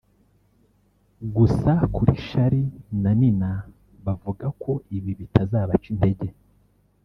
Gusa kuri Charly na Nina bavuga ko ibi bitazabaca intege